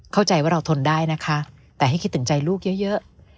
เข้าใจว่าเราทนได้นะคะแต่ให้คิดถึงใจลูกเยอะ